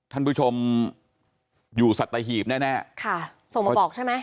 ท่านผู้ชมอยู่สัตหีบแน่แน่ค่ะส่งมาบอกใช่ไหม